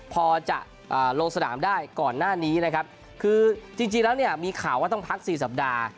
พอจะลงสนามได้ก่อนหน้านี้นะครับคือจริงแล้วเนี่ยมีข่าวว่าต้องพัก๔สัปดาห์